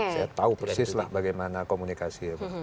saya tahu persis lah bagaimana komunikasi